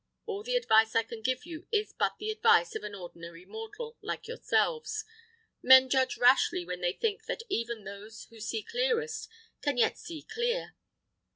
All the advice I can give you is but the advice of an ordinary mortal like yourselves. Men judge rashly when they think that even those who see clearest can yet see clear.